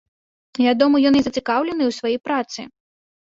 Вядома, ён не зацікаўлены ў сваёй працы!